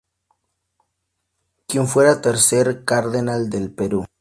Quien fuera tercer Cardenal del Perú.